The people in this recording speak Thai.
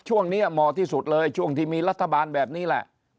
เหมาะที่สุดเลยช่วงที่มีรัฐบาลแบบนี้แหละ